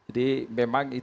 jadi memang itu